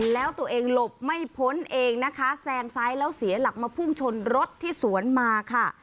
แล้วตัวเองหลบไม่พ้นเองนะคะแซงซ้ายแล้วเสียหลักมาพุ่งชนรถที่สวนมาค่ะ